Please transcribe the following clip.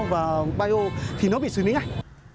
và bio thì nó bị xử lý ngay